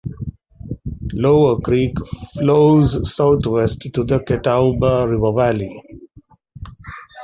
Lower Creek flows southwest to the Catawba River valley.